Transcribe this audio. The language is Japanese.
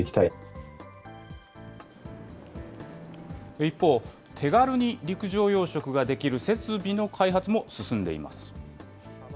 一方、手軽に陸上養殖ができる設備の開発も進んでいます。